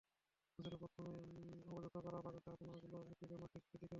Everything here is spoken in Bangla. বছরের প্রথমে অবমুক্ত করা বাগদা পোনাগুলো এপ্রিল মাসের শেষের দিকে মরে গেছে।